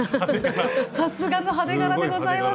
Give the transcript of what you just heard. さすがの派手柄でございます。